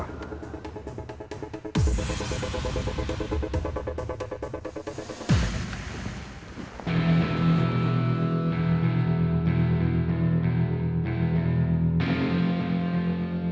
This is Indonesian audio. mendingan gue balik dulu